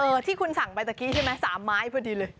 ที่คุณสั่งไปตะกี้ใช่ไหม๓ไม้พอดีเลย